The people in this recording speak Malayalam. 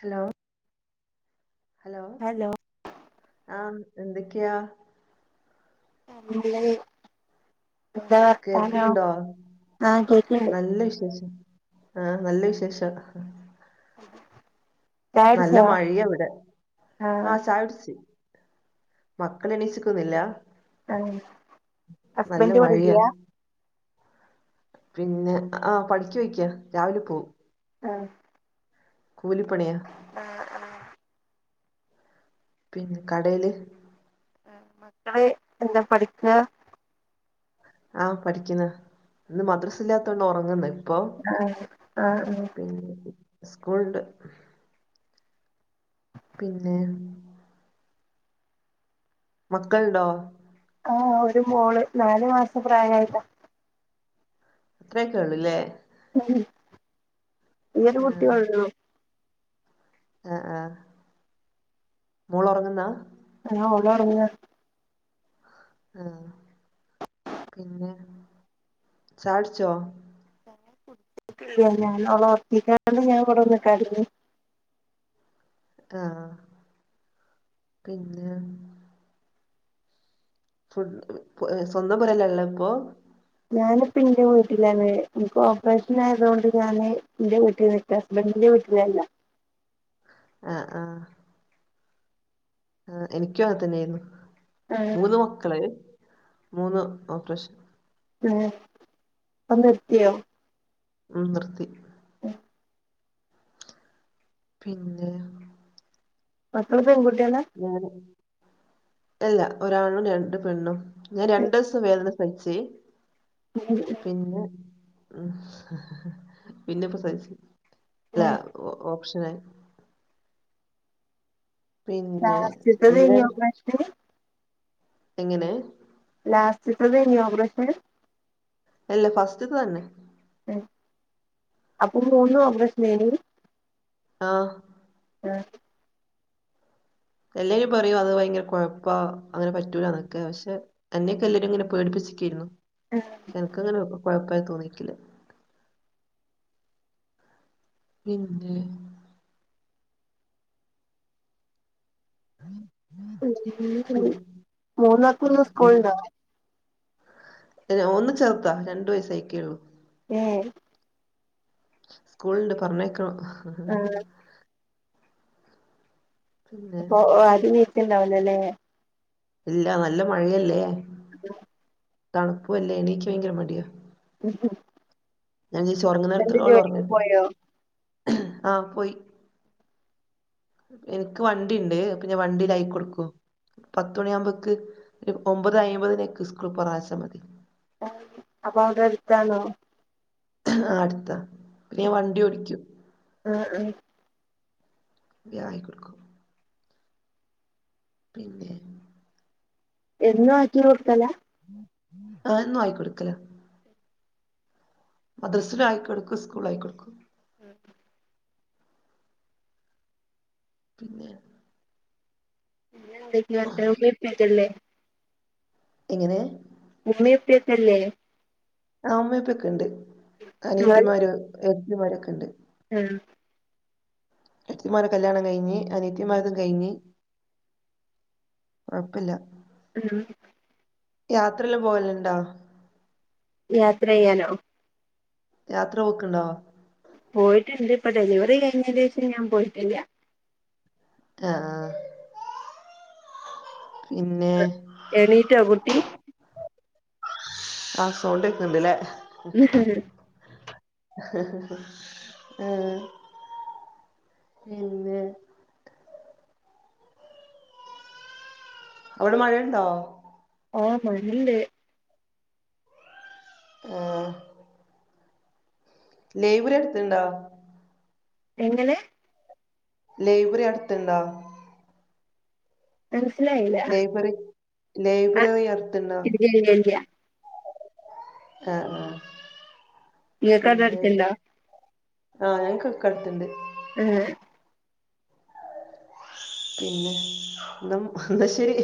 ഹലോ ഹലോ ഹലോ ആഹ് എന്തേക്ക്യാ? നല്ലാത്. എന്താ വർത്താനം കേൾക്കുന്നുണ്ടോ ആഹ് കേക്ണ്ട്. നല്ല വിശേഷം. ആഹ് നല്ല വിശേഷം. നല്ല ചായുടിച്ചോ മഴേവ്ടെ ആഹ് ചായട്ച്ച് മക്കള് എണീച്ച്ക്കൊന്നില്ലാ ആഹ് ഹസ്ബന്റ് ഇവടെ മഴയാ ഇല്ല്യാ? പിന്നെ ആഹ് പണിക്കൊയിക്ക്യ രാവിലെ പോവും ആഹ് കൂലിപ്പണിയാ. ആഹ് അഹ് പിന്നെ കടേൽ ഇങ്ങള് എന്താ പഠിക്ക? ആഹ് പഠിക്ക്ന്ന് ഇന്ന് മദ്രസ് ഇല്ലാത്തൊണ്ട് ഒറങ്ങ്ന്ന് ഇപ്പൊ ആഹ് ആഹ് ആഹ് ഉം സ്കൂള്ണ്ട്. പിന്നെ മക്കൾണ്ടോ? ആഹ് ഒര് മോള് നാല് മാസം പ്രായായതാ അത്രയൊക്കൊള്ളുലേ ആ ഈ ഒരു ആഹ് കുട്ടിയെള്ളു. ആഹ് ആഹ് മോള് ഒറങ്ങ്ന്നാ? ആഹ് ഓള് ഒറങ്ങാ ആഹ് പിന്നെ ചായൊട്ച്ചോ? കുടിച്ചട്ടില്യ ഞാൻ ഒളെ ഒർകിക്കാണ്ട് ഞാൻ ഇവിടൊന്നു കേടന്ന് ആഹ് പിന്നെ ഫുഡ് ഏഹ് സ്വന്തം പോരേലല്ല ഇപ്പൊ ഞാനിപ്പ ഇന്റെ വീട്ടിലാണ്. ന്ക്ക് ഓപ്പറേഷൻ ആയതോണ്ട് ഞാന് ഇ ന്റെ വീട്ടിൽ നി ഇന്റെ ഹസ്ബന്റിന്റെ വീട്ടിലല്ല. ആഹ് ആഹ് ആഹ് എനിക്ക്യു അങ്ങന് തന്നെന്നു ആഹ് മൂന്ന് മക്കള് മൂന്ന് ഓപ്പറേഷൻ എ പം നിർത്തിയോ? മ് നിർത്തി. [inaudible] പിന്നെയൊ മക്കള് പെൺകുട്ട്യേള [unintelligible] അല്ല ഒരാണും രണ്ട് പെണ്ണും ഞാൻ രണ്ടെസം വേദന സഹിച് [unintelligible] പിന്നെ ഹ് ഹ പിന്നെ പ്രസയിച്ച്. ല്ല ഒ ഓപ്ഷനായി പിന്നെ ലാസ്റ്റത്തെ എങ്ങനെ കഴിഞ്ഞോ ഓപ്പറേഷന് എങ്ങനെ ലാസ്റ്റ്തദെയിനി ഓപറേഷൻ അല്ല ഫസ്റ്റ്ത്തെ തന്നെ. മ് അപ്പൊ മൂന്നു ഓപ്രഷനായിനി? ആ മ് എല്ലെരും പറയൂ അത് ഭയങ്കര കുഴപ്പാ അങ്ങനെ പറ്റൂലന്നൊക്കെ പക്ഷെ അന്നെക്കെല്ലരും ങ്ങനെ പേടിപ്പിച്ചികെയിരുന്നു എ എനക്ക് അങ്ങനെ കൊഴപ്പായി തോന്നിട്ടില്ല നിന്നെയോ മ് പിന്നെ [unintelligible] മൂന്നാക്കുന്ന് സ്കൂൾണ്ടോ? ന്നെ ഒന്ന് ചേർത രണ്ടു വയസയികെള്ളൂ. ഏ കൂൾണ്ട് പറഞ്ഞേക്കണം ഹ് ആ പിന്നെ പ ഓ അരുണിറ്റ്ണ്ടാവുലാലേ? ഇല്ല നല്ല മഴയല്ലേ [inaudible] തണുപ്പുല്ലേ എനിക്യഭയങ്കര മടിയാ. [unintelligible] ഞാൻ ചോദിച്ചു ഉറങ്ങണടു ത്തോളം ജോലിക്ക് ഒറങ്ങട്ടെ പോയോ ആഹ് പോയി എനിക്ക് വണ്ടിണ്ട് അപ്പൊ ഞാൻ വണ്ടിയിലായിക്കൊടുക്കു. പത്തുമണിയാമ്പേക്ക് ര് ഒമ്പതെ അയമ്പതിനേക്ക് സ്കൂൾ പറഞ്ഞച്ചാ മതി. അപ്പൊ അവടെ അടുത്താണോ അടുത്താ പിന്നെ ഞാൻ വണ്ടി ഓടിക്കും ആ എ [unintelligible] കൊടുക്കും പിന്നെ എന്നു ആക്കി കൊട്ക്കല? ആ എന്നും ആയിക്കൊടുക്കല മദ്രസലൂയിക്കോട്ക്കു സ്കൂളയികൊടുക്കു ഹ [inaudible] പിന്നെ പിന്നെ ന്തൊക്യെ [unintelligible] ല്ലേ എങ്ങനെ? ഉമ്മയും ഉപ്പായൊക്കെ അല്ലേ ആ ഉമ്മയ് ഉപ്പയോകേണ്ട് അനീത്തിമാര് എട്ടത്തിമാരൊക്കെണ്ട് ആം ഇത്തിമാരെ കല്യാണം കഴിഞ് അനിയ ത്തിമാരേയും കഴിഞ്ഞ് കുഴപ്പല്ല ഉം യാത്രല്ലപോവലുണ്ടോ യാത്ര ചെയ്യാനോ യാത്ര പോക്കുണ്ടോ പോയിട്ട്ണ്ട് ഇപ്പൊ ഡെലിവറി കഴിഞ്ഞതിനു ശേഷം ഞാൻ പോയിട്ടില്ല ആഹ് പിന്നെ എണീറ്റോ കുട്ടി ആ സൗണ്ട് കേക്കണ്ട്ല്ലേ ഹ ഹ ഹആഹ് പിന്നെ അവിടെ മഴയുണ്ടോ ഓ മഞ്ഞ് ണ്ട് ആഹ് ലൈബ്രറി അടുത്തുണ്ടോ എങ്ങനെ ലൈബ്രറി അടുത്തുണ്ടോ മനസ്സിലായി ലൈബ്രറി ലൈബ്രറി അടുത്തു ണ്ടോ [unintelligible] ആഹ് ആ നിങ്ങക്ക് അവിടെ പിന്നെ അടുത്തുണ്ടോ ആ ഞങ്ങൾക്കൊക്കെ അടുത്തുണ്ട് ഏ പിന്നെ [unintelligible] എന്നാ ശരി